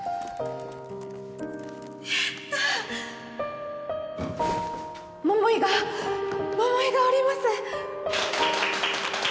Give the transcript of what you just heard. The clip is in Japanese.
やったー桃井が桃井がおります